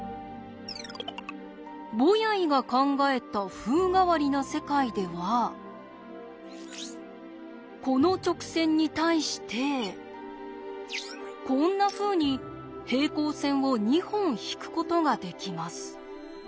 ボヤイが考えた風変わりな世界ではこの直線に対してこんなふうに平行線を２本引くことができます。